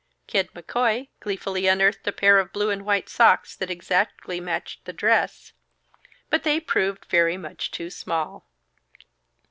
Kid McCoy gleefully unearthed a pair of blue and white socks that exactly matched the dress, but they proved very much too small.